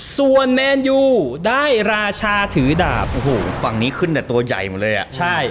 ส่วนแมนยูได้ราชาถือดาบโอ้โหฝั่งนี้ขึ้นแต่ตัวใหญ่หมดเลยอ่ะใช่